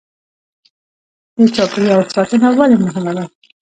د چاپیریال ساتنه ولې مهمه ده